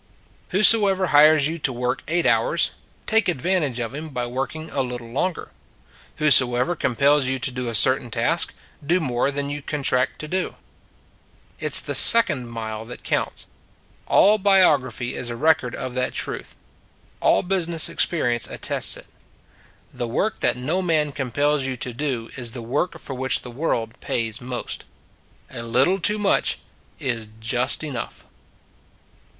Whosoever hires you to work eight hours, take advantage of him by working a little longer: whosoever compels you to do a certain task, do more than you con tract to do. It s the second mile that counts. All biography is a record of that truth: all business experience attests it. The work that no man compels you to do is the work for which the world pays most. A little too much is just enough.